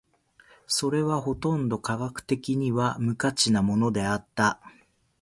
それはほとんど科学的には無価値なものであった。